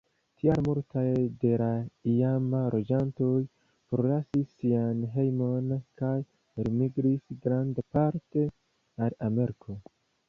Tial multaj de la iama loĝantoj forlasis sian hejmon kaj elmigris grandparte al Ameriko.